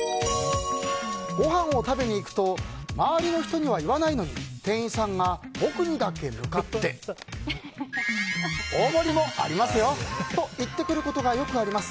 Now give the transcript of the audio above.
ごはんを食べに行くと周りの人には言わないのに店員さんが僕にだけ向かって大盛りもありますよ！と言ってくることがよくあります。